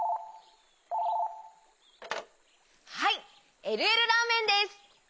☎はいえるえるラーメンです！